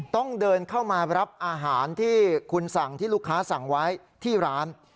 ต้องเดินเข้ามารับอาหารที่คุณสั่งที่ลูกค้าสั่งไว้ที่ร้าน